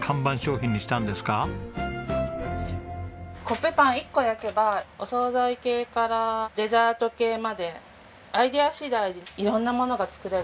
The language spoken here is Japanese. コッペパン１個焼けばお総菜系からデザート系までアイデア次第で色んなものが作れると思って。